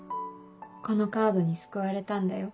このカードに救われたんだよ。